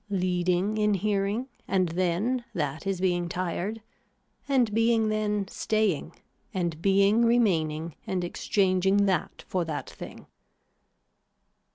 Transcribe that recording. Leading in hearing and then that is being tired and being then staying and being remaining and exchanging that for that thing.